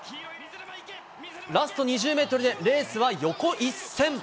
ラスト２０メートルでレースは横一線。